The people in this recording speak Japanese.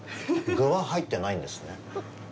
具は入ってないんですね。